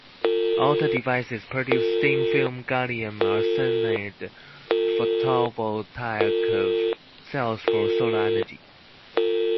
Alta Devices produces thin-film gallium arsenide photovoltaic cells for solar energy.